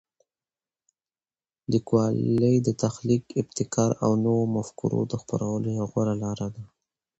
لیکوالی د تخلیق، ابتکار او نوو مفکورو د خپرولو یوه غوره لاره ده.